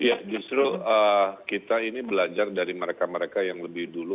ya justru kita ini belajar dari mereka mereka yang lebih dulu